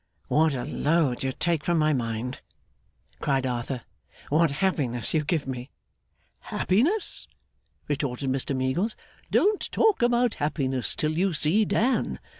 'What a load you take from my mind!' cried Arthur. 'What happiness you give me!' 'Happiness?' retorted Mr Meagles. 'Don't talk about happiness till you see Dan.